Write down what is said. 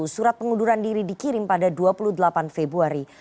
surat pengunduran diri dikirim pada dua puluh delapan februari